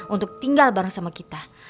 untuk tinggal bareng sama kita